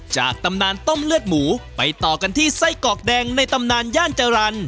ตำนานต้มเลือดหมูไปต่อกันที่ไส้กรอกแดงในตำนานย่านจรรย์